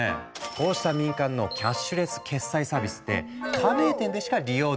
こうした民間のキャッシュレス決済サービスって加盟店でしか利用できない。